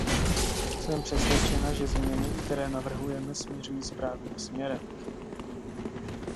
Jsem přesvědčena, že změny, které navrhujeme, směřují správným směrem.